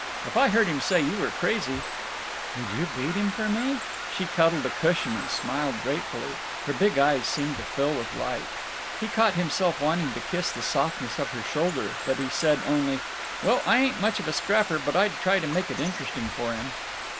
"If I heard him say you were crazy—" "Would you beat him for me?" She cuddled a cushion and smiled gratefully. Her big eyes seemed to fill with light. He caught himself wanting to kiss the softness of her shoulder, but he said only, "Well, I ain't much of a scrapper, but I'd try to make it interesting for him."